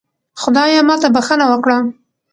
خدایا ماته بښنه وکړه